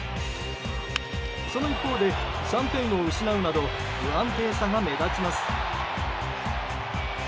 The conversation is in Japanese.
その一方で３点を失うなど不安定さが目立ちます。